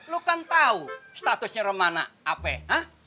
lo kan tahu statusnya rumana apa ha